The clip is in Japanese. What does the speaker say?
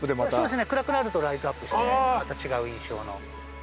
暗くなるとライトアップしてまた違う印象の。